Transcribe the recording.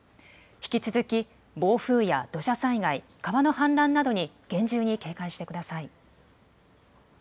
引き続き暴風や土砂災害、川の氾濫などに厳重に警戒してください。